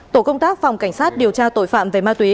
tổ công tác phòng cảnh sát điều tra tội phạm về ma túy